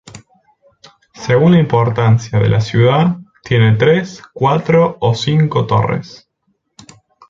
Según la importancia de la ciudad, tiene tres, cuatro o cinco torres.